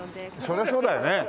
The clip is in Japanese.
そりゃそうだよね。